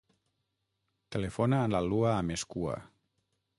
Telefona a la Lua Amezcua.